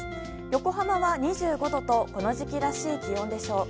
横浜は２５度とこの時期らしい気温でしょう。